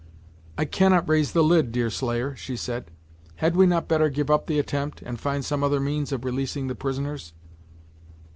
"I cannot raise the lid, Deerslayer!" she said "Had we not better give up the attempt, and find some other means of releasing the prisoners?"